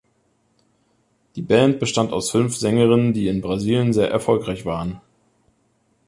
Die Band bestand aus fünf Sängerinnen, die in Brasilien sehr erfolgreich waren.